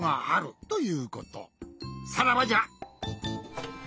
さらばじゃ。